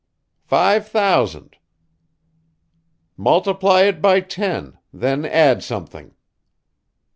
"Five thousand." "Multiply it by ten then add something."